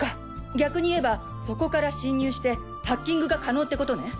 逆に言えばそこから侵入してハッキングが可能ってことね！